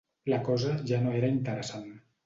La cosa ja no era interessant.